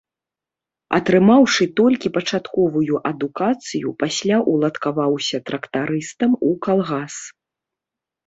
Атрымаўшы толькі пачатковую адукацыю, пасля уладкаваўся трактарыстам у калгас.